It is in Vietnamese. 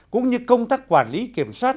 cũng như công tác quản lý kiểm soát